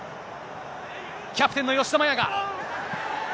キャプテンの吉田麻也が。